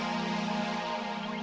susah dia ngerti